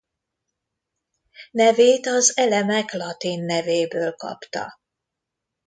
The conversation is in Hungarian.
Nevét az elemek latin nevéből kapta.